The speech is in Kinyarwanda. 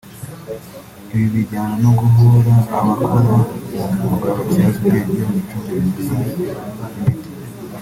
Ibi bijyana no guhora abakora uwo mwuga batyaza ubwenge ku micungire myiza y’imiti